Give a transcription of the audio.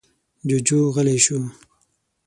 جوجو غلی شو.